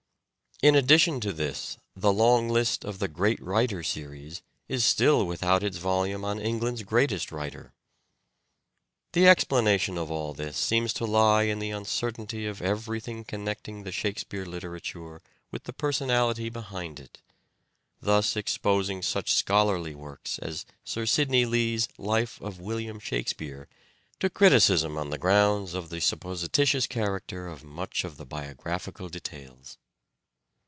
In addition to this the long list of the " Great Writer " series is still without its volume on England's greatest writer. The explanation of all this seems to lie in the uncertainty of everything connecting the Shake speare literature with the personality behind it ; thus exposing such scholarly works as Sir Sidney Lee's " Life of William Shakespeare " to criticism on the grounds of the supposititious character of much of the biographical details.